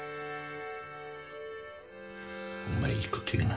お前良いこと言うな。